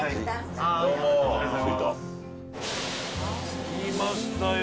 着きましたよ